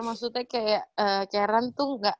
maksudnya kayak karen tuh